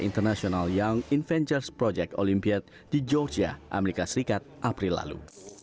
international young inventures project olympiade di georgia amerika serikat april lalu